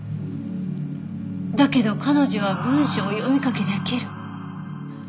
だけど彼女は文章を読み書き出来る。